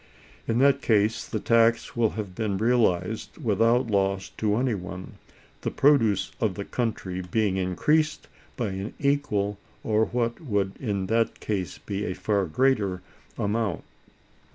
In that case the tax will have been realized without loss to any one, the produce of the country being increased by an equal, or what would in that case be a far greater, amount.